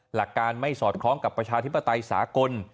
หลักการไม่สอดคล้องกับประชาธิปไตยสากล